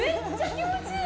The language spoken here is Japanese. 気持ちいい